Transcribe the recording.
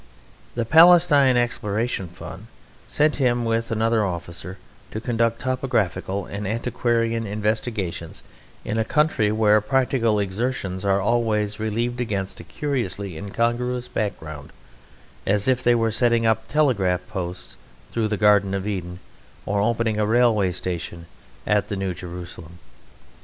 The Palestine Exploration Fund sent him with another officer to conduct topographical and antiquarian investigations in a country where practical exertions are always relieved against a curiously incongruous background as if they were setting up telegraph posts through the Garden of Eden or opening a railway station at the New Jerusalem.